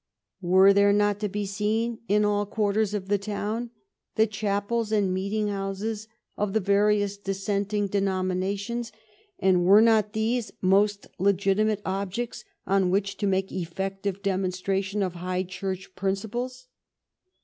Were there not to be seen in all quarters of the town the chapels and meeting houses of the various dissenting denominations, and were not these most legitimate objects on which to make effective demonstration of High Church princi ples?